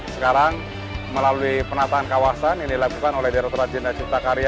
sekarang melalui penataan kawasan yang dilakukan oleh direkturat jenderal cipta karya